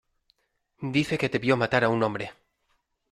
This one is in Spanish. dice que te vio matar a un hombre.